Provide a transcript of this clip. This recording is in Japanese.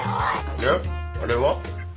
であれは？